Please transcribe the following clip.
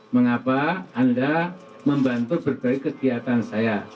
mengapa anda membantu berbagai kegiatan saya